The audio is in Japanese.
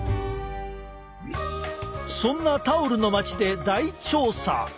そんなタオルの街で大調査！